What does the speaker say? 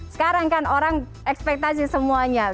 sekarang kan orang ekspektasi semuanya